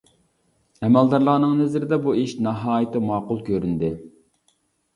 ئەمەلدارلارنىڭ نەزىرىدە بۇ ئىش ناھايىتى ماقۇل كۆرۈندى.